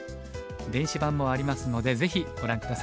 電子版もありますのでぜひご覧下さい。